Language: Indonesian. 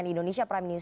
di indonesia prime news